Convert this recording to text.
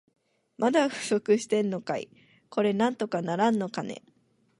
まだ不足してんのかい。これなんとかならんのかね。